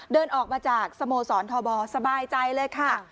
เดินออกมาจากสโมสรทบสบายใจเลยค่ะ